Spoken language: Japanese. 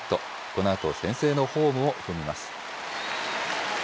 このあと先制のホームを踏みます。